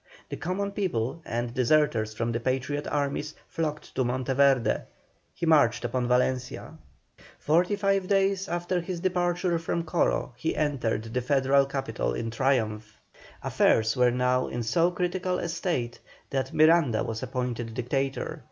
The common people, and deserters from the Patriot armies, flocked to Monteverde; he marched upon Valencia. Forty five days after his departure from Coro he entered the Federal capital in triumph. Affairs were now in so critical a state that Miranda was appointed Dictator.